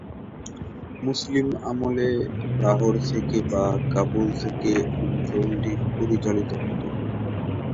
মুসলিম আমলে, লাহোর থেকে বা কাবুল থেকে অঞ্চলটি পরিচালিত হতো।